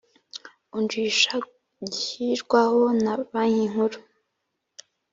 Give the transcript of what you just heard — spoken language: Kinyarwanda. unjisha gishyirwaho na Banki Nkuru